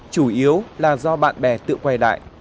chủ yếu là do bạn bè tự quay lại